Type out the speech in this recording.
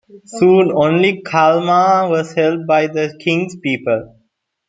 Soon, only Kalmar was held by the king's people.